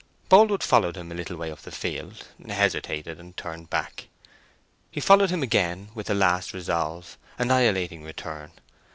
Boldwood followed him a little way up the field, hesitated, and turned back. He followed him again with a last resolve, annihilating return.